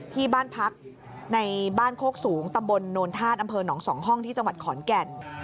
ที่บ้านพักในบ้านโคกสูงตำบลโนนธาตุอำเภอหนอง๒ห้องที่จังหวัดขอนแก่น